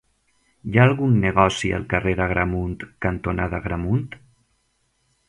Hi ha algun negoci al carrer Agramunt cantonada Agramunt?